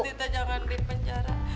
surti jangan dipenjara